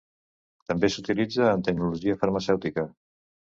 També s'utilitza en Tecnologia Farmacèutica.